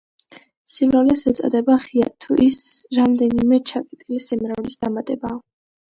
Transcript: სიმრავლეს ეწოდება ღია, თუ ის რაიმე ჩაკეტილი სიმრავლის დამატებაა.